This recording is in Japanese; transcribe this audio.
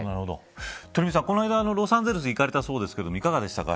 鳥海さん、この間ロサンゼルス行かれたそうですがいかがでしたか。